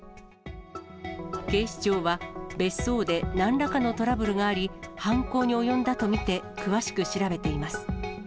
警視庁は、別荘でなんらかのトラブルがあり、犯行に及んだと見て、詳しく調べています。